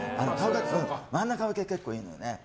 真ん中分けは結構いいのよ。